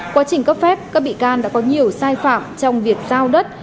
quá trình cấp phép các bị can đã có nhiều sai phạm trong việc giao đất